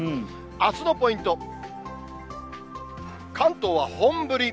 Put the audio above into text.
あすのポイント、関東は本降り。